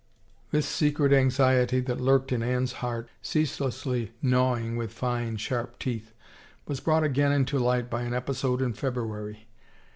This secret anxiety that lurked in Anne's heart, cease lessly gnawing with fine, sharp teeth, was brought again into light by an episode in February.